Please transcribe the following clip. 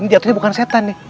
jatuhnya bukan setan nih